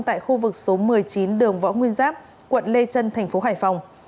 tại khu vực số một mươi chín đường võ nguyên giáp quận lê trân tp hcm